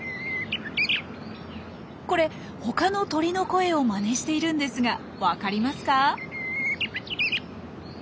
これ他の鳥の声をまねしているんですがわかりますか？